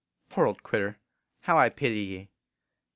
4 Poor old critter, how I pity ye